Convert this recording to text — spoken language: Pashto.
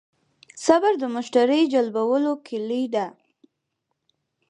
صبر د مشتری جلبولو کیلي ده.